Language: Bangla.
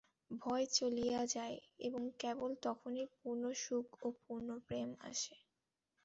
ভয় চলিয়া যায়, এবং কেবল তখনই পূর্ণ সুখ ও পূর্ণ প্রেম আসে।